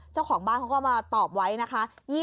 เจ้าของบ้านเขาก็มาตอบไว้นะคะ